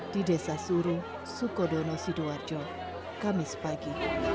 di desa suru sukodono sidoarjo kamis pagi